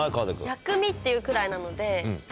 薬味っていうくらいなので。